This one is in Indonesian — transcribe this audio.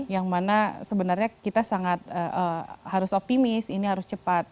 yang mana sebenarnya kita sangat harus optimis ini harus cepat